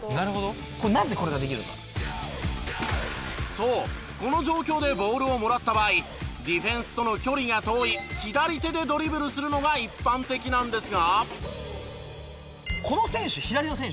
そうこの状況でボールをもらった場合ディフェンスとの距離が遠い左手でドリブルするのが一般的なんですが。